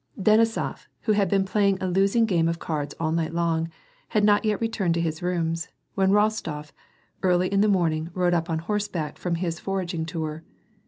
Denisof, who had been playing a losing game of cards all night long, had not yet returned to his rooms, when Rostof, early in the morning rode up on horseback from his foraging tour.